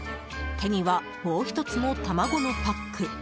手にはもう１つの卵のパック。